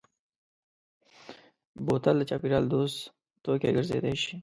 بوتل د چاپېریال دوست توکی ګرځېدای شي.